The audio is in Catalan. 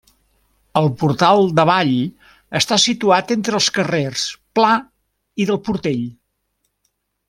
El portal d'Avall està situat entre els carrers Pla i del Portell.